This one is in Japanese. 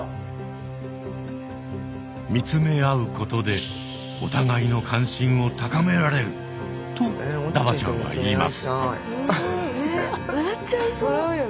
見つめ合うことでお互いの関心を高められるとダバちゃんは言います。